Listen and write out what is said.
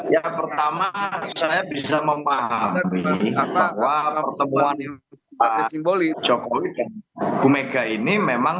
ya pertama saya bisa memahami bahwa pertemuan partai simboli jokowi dan bu mega ini memang